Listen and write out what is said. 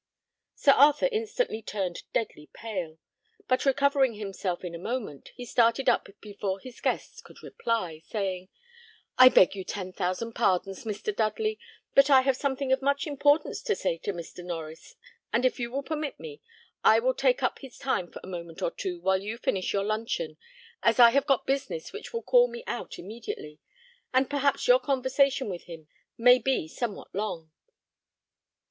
Sir Arthur instantly turned deadly pale; but recovering himself in a moment, he started up before his guest could reply, saying, "I beg you ten thousand pardons, Mr. Dudley, but I have something of much importance to say to Mr. Norries, and if you will permit me I will take up his time for a moment or two while you finish your luncheon, as I have got business which will call me out immediately, and perhaps your conversation with him may be somewhat long."